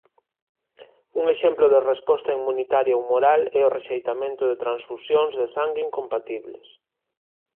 Un exemplo de resposta inmunitaria humoral é o rexeitamento de transfusións de sangue incompatibles.